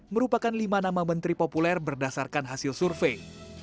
merupakan lima nama menteri populer berdasarkan hasil survei